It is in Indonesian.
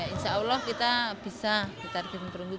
insya allah kita bisa di targim berundut